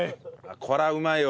これはうまいわ。